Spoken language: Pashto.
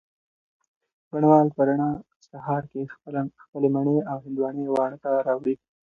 بڼ وال په رڼه سهار کي خپلې مڼې او هندواڼې واڼه ته راوړې